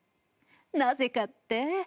なぜかって？